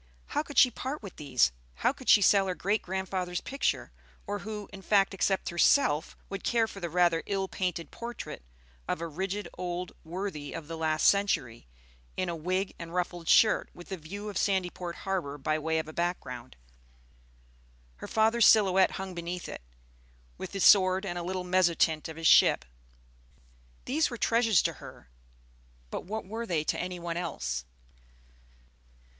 How could she part with these? How could she sell her great grandfather's picture, or who, in fact, except herself, would care for the rather ill painted portrait of a rigid old worthy of the last century, in a wig and ruffled shirt, with a view of Sandyport harbor by way of a background? Her father's silhouette hung beneath it, with his sword and a little mezzotint of his ship. These were treasures to her, but what were they to any one else?